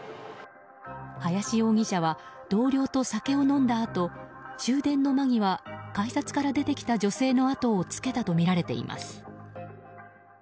林容疑者は同僚と酒を飲んだあと終電の間際、改札から出てきた女性のあとをつけたとみられています。